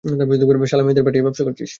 শালা মেয়েদের পাঠিয়ে ব্যবসা করিস?